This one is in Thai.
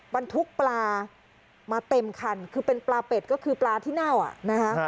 บรรทุกปลามาเต็มคันคือเป็นปลาเป็ดก็คือปลาที่เน่าอ่ะนะคะ